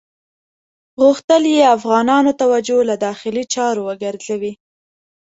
غوښتل یې افغانانو توجه له داخلي چارو وګرځوي.